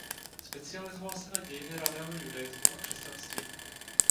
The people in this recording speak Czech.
Specializoval se na dějiny raného judaismu a křesťanství.